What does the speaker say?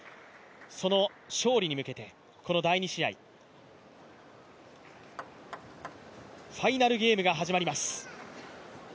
その勝利に向けてこの第２試合、ファイナルゲームが始まります。